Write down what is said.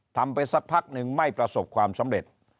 ทำไปสักพักนึงไม่ประสบความสำเร็จ